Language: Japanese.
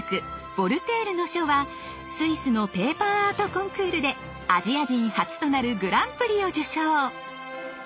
「ヴォルテールの書」はスイスのペーパーアートコンクールでアジア人初となるグランプリを受賞。